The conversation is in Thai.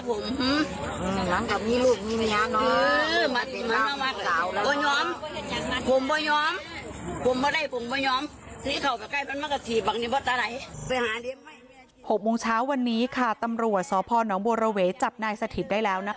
๖ปรุงเช้าวันนี้ค่ะตำรวจซนบวจับนายสถิตย์ได้แล้วนะคะ